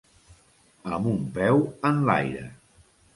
Amb un peu enlaire.